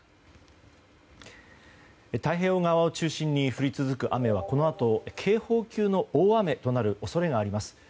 太平洋側を中心に降り続く雨はこのあと警報級の大雨となる恐れがあります。